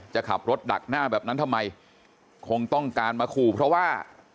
จะขับรถดักหน้าแบบนั้นทำไมคงต้องการมาขู่เพราะว่า